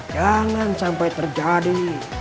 jangan sampai terjadi